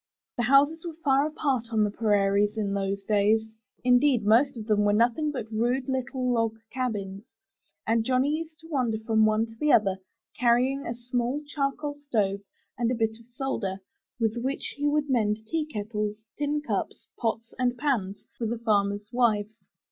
The houses were far apart on the prairies in those days. Indeed, most of them were nothing but rude little log cabins, and Johnny used to wander from one to another, carrying a small charcoal stove and a bit of solder, with which he would mend tea kettles, tin cups, pots, and pans for the farmers' wives.